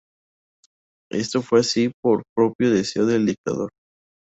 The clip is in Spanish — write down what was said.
Esto fue así por propio deseo del dictador.